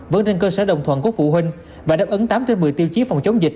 vẫn trên cơ sở đồng thuận của phụ huynh và đáp ứng tám trên một mươi tiêu chí phòng chống dịch